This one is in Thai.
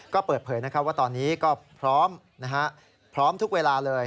ก็เปิดเผยว่าตอนนี้ก็พร้อมทุกเวลาเลย